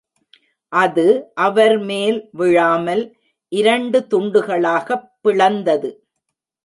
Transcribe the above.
அது அவர்மேல் விழாமல் இரண்டு துண்டுகளாகப் பிளந்தது.